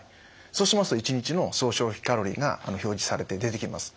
そうしますと１日の総消費カロリーが表示されて出てきます。